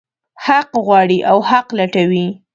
حق غواړي او حق لټوي.